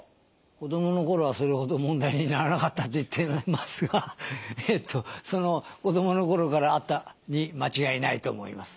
子どもの頃はそれほど問題にならなかったと言っていますがその子どもの頃からあったに間違いないと思います。